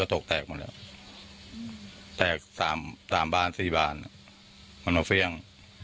แปลกสามบ้านสี่บ้านมันมันเข้าฟิ้ง